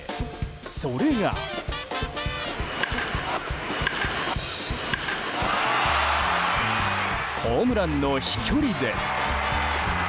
それがホームランの飛距離です。